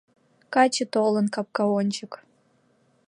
Каче толын капка ончык